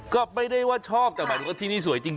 ก็ไม่ได้ว่าชอบแต่หมายถึงว่าที่นี่สวยจริง